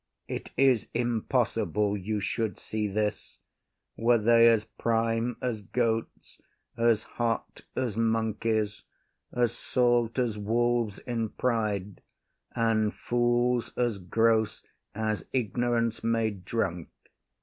It is impossible you should see this, Were they as prime as goats, as hot as monkeys, As salt as wolves in pride, and fools as gross As ignorance made drunk.